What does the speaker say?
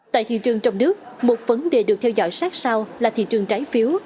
tại thị trường trong nước một vấn đề được theo dõi sát sao là thị trường trái phiếu